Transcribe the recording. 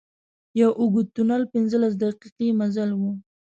یو اوږد تونل پنځلس دقيقې مزل و.